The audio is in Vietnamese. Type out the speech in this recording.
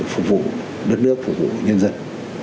phục vụ đất nước phục vụ nhân dân